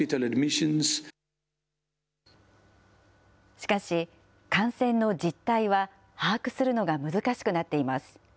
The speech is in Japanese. しかし、感染の実態は把握するのが難しくなっています。